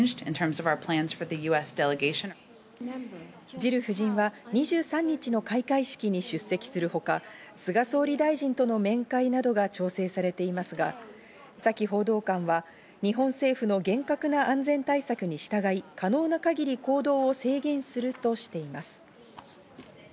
ジル夫人は２３日の開会式に出席するほか、菅総理大臣との面会などが調整されていますが、サキ報道官は日本政府の厳格な安全対策に従い、可能な限り行動を制限するとしています。